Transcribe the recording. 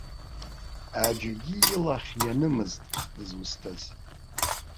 Аӡәгьы илахь ианымызт дызусҭаз.